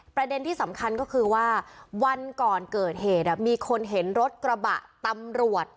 ประเด็นที่สำคัญก็คือว่าวันก่อนเกิดเหตุมีคนเห็นรถกระบะตำรวจ